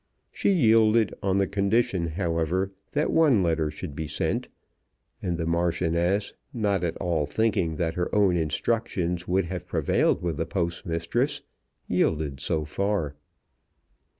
She yielded, on the condition, however, that one letter should be sent; and the Marchioness, not at all thinking that her own instructions would have prevailed with the post mistress, yielded so far.